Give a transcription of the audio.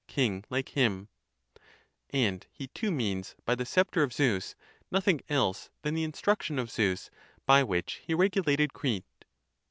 king like him ; 3 and he too means by the sceptre of Zeus, nothing else than the instruction of Zeus, by which he regulated Crete.